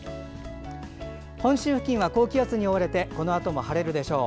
本州付近は高気圧に覆われてこのあとも晴れるでしょう。